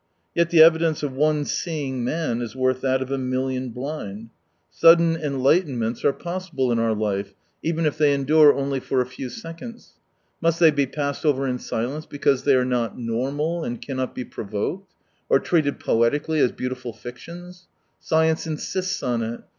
Yet the evidence of one seeing man is worth that of a million blind. Sudden enlighten 227 merits are possible in our life — even if they endure only for a few seconds. Must they be passed over in silence because they are not normal and cannot be provoked ?— or treated poetically, as beautiful fictions ? Science insists on it.